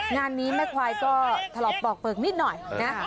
งานนี้แม่ควายก็ถลอกปอกเปลือกนิดหน่อยนะ